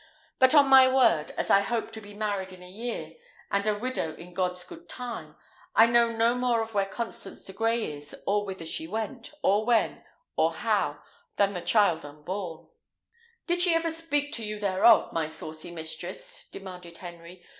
But on my word, as I hope to be married in a year, and a widow in God's good time, I know no more of where Constance de Grey is, or whither she went, or when, or how, than the child unborn." "Did she never speak to you thereof, my saucy mistress?" demanded Henry.